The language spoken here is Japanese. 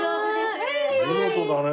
お見事だね。